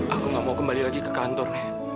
aku gak mau kembali lagi ke kantor